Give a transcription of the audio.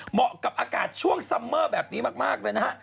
เหมาะกับอากาศช่วงซัมเมอร์แบบนี้มากเลยนะฮะ